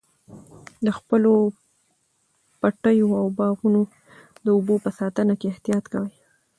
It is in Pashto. د خپلو پټیو او باغونو د اوبو په ساتنه کې احتیاط کوئ.